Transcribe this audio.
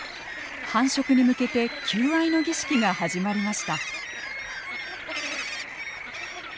繁殖に向けて求愛の儀式が始まりました。